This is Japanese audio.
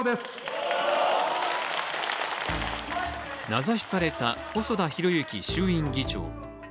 名指しされた細田博之衆院議長。